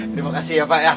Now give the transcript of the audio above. terima kasih ya pak ya